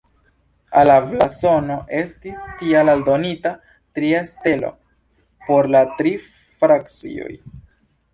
Al la blazono estis tial aldonita tria stelo por la tri frakcioj.